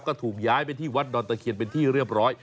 ก็ถูกย้ายไปที่วัดดอนตะเคียนเป็นที่เรียบร้อย